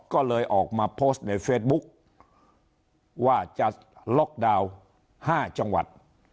ก็เลยออกมาโพสต์ในเฟซบุ๊กว่าจะล็อกดาวน์๕จังหวัด